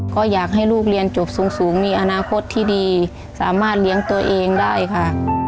ก็อยากให้ลูกเรียนจบสูงมีอนาคตที่ดีสามารถเลี้ยงตัวเองได้ค่ะ